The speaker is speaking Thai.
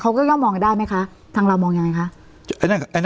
เขาก็ยอมมองได้ไหมคะทางเรามองอย่างไรคะ